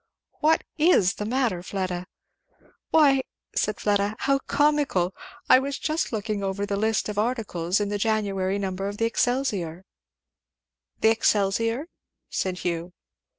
"What is the matter, Fleda?" "Why," said Fleda, "how comical! I was just looking over the list of articles in the January number of the 'Excelsior'" "The 'Excelsior'?" said Hugh.